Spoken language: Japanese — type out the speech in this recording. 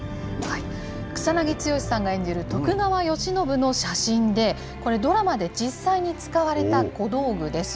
草なぎ剛さんが演じる徳川慶喜の写真で、これドラマで実際に使われた小道具です。